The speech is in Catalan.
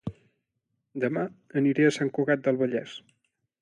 Dema aniré a Sant Cugat del Vallès